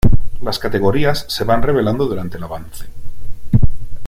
Las categorías se van revelando durante el avance.